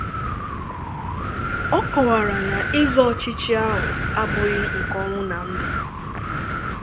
ọ kọwara na ịzọ ọchịchị ahụ abụghị nke ọnwụ na ndụ